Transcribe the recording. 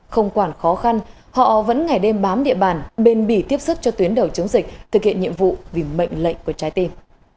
không quản khó khăn họ vẫn ngày đêm bám địa bàn bền bỉ tiếp sức cho tuyến đầu chống dịch thực hiện nhiệm vụ vì mệnh lệnh của trái tim